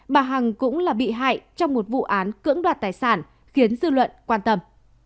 bà hằng cũng là bị hại trong một vụ án cưỡng đoạt tài sản khiến dư luận quan tâm